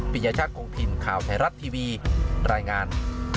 พิญญาชาคงพิลข่าวไทยรัฐทีวีรายงาน